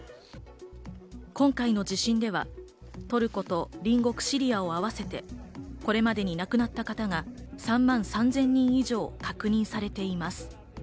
今回の地震では、トルコと隣国シリアを合わせてこれまでに亡くなった方が３万３０００人以上確認されています。